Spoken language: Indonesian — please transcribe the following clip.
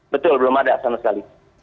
betul belum ada sama sekali